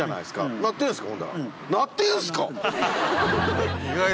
なってるんすか！